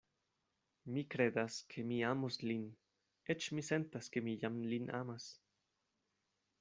Mi kredas, ke mi amos lin; eĉ mi sentas, ke mi jam lin amas.